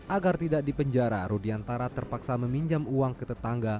agar tidak dipenjara rudiantara terpaksa meminjam uang ke tetangga